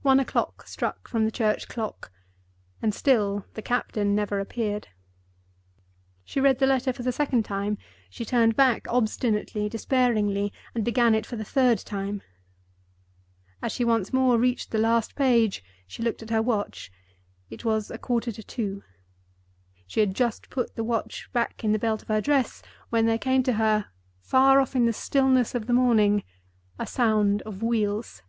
One o'clock struck from the church clock, and still the captain never appeared. She read the letter for the second time; she turned back obstinately, despairingly, and began it for the third time. As she once more reached the last page, she looked at her watch. It was a quarter to two. She had just put the watch back in the belt of her dress, when there came to her—far off in the stillness of the morning—a sound of wheels.